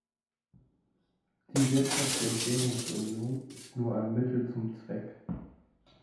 Die Wirtschafts- und Währungsunion ist nur ein Mittel zum Zweck!